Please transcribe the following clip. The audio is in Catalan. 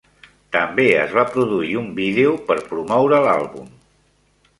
També es va produir un vídeo per promoure l'àlbum.